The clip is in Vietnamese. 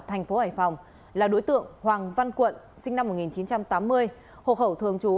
thành phố hải phòng là đối tượng hoàng văn quận sinh năm một nghìn chín trăm tám mươi hộ khẩu thường trú